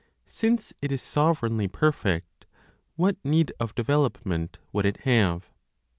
Since it is sovereignly perfect, what need of development would it have?